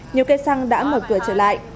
nhiều cây xăng đã mở cửa trở lại